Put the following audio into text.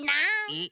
えっ？